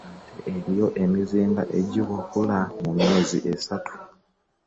Ate eriyo emizinga egiwakulwa mu myezi esatu.